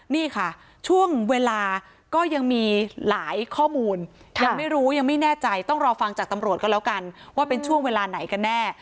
นี่ค่ะช่วงเวลาก็ยังมีหลายข้อมูลยังไม่รู้ยังไม่แน่ใจต้องรอฟังจากตำรวจก็แล้วกันว่าเป็นช่วงเวลาไหนกันแน่